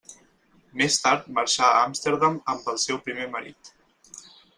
Més tard marxà a Amsterdam amb el seu primer marit.